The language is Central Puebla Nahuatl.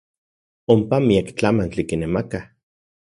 Onpa miak tlamantli kinemakaj.